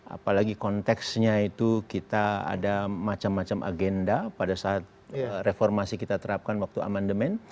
apalagi konteksnya itu kita ada macam macam agenda pada saat reformasi kita terapkan waktu amandemen